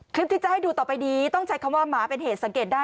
คลิปที่จะให้ดูต่อไปนี้ต้องใช้คำว่าหมาเป็นเหตุสังเกตได้